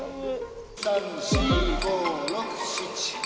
１、２、３、４、５、６、７、８。